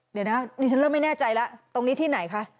เดี๋ยวนะดิฉันเริ่มไม่แน่ใจแล้วตรงนี้ที่ไหนคะ